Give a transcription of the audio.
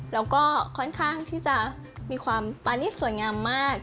และค่อนข้างที่จะมีความปราณิชย์สวยงามมาก